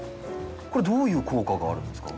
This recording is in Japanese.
これどういう効果があるんですか？